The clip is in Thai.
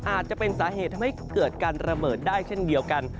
อาจจะเป็นสาเหตุทำให้เกิดการระเบิดได้เช่นเดียวกัน